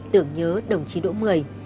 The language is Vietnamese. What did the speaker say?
tưởng nhớ đồng chí đỗ mười